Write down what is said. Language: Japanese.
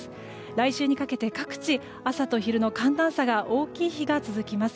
来週にかけて各地朝と昼の寒暖差が大きい日が続きます。